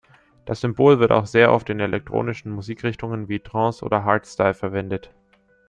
Das Symbol wird auch sehr oft in elektronischen Musikrichtungen wie Trance oder Hardstyle verwendet.